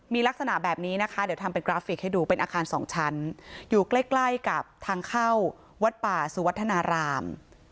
มีลักษณะแบบนี้นะคะเดี๋ยวทำเป็นกราฟิกให้ดูเป็นอาคารสองชั้นอยู่ใกล้ใกล้กับทางเข้าวัดป่าสุวัฒนาราม